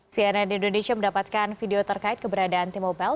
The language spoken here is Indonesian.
cnn indonesia mendapatkan video terkait keberadaan t mobile